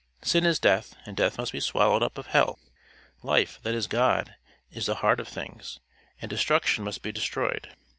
Sin is death, and death must be swallowed up of hell. Life, that is God, is the heart of things, and destruction must be destroyed.